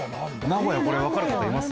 名古屋これわかる方います？